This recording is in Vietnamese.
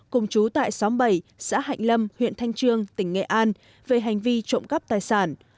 cùng chú tại xóm bảy xã hạnh lâm huyện thanh trương tỉnh nghệ an về hành vi trộm cắp tài sản